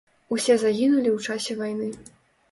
Усе загінулі ў часе вайны.